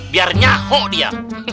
biar nyahok dia